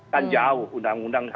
kan jauh undang undangnya